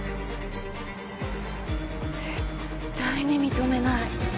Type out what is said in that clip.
絶対に認めない。